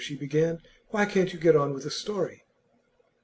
she began. 'Why can't you get on with the story?